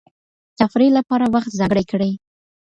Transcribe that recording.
تفریح لپاره وخت ځانګړی کړئ.